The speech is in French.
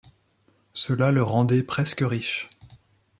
Cela le rendait presque riche.